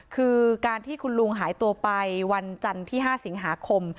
คือการที่คุณลุงหายตัวไปวันจันทร์ที่๕สิงหาคม